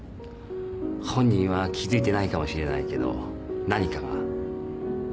本人は気づいてないかもしれないけど何かが。